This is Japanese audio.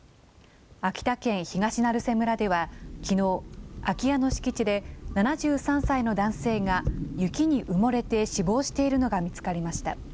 秋田県東成瀬村ではきのう、空き家の敷地で７３歳の男性が、雪に埋もれて死亡しているのが見つかりました。